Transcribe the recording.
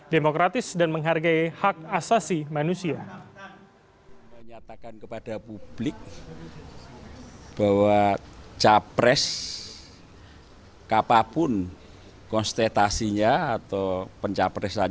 demokratis dan menghargai hak asasi manusia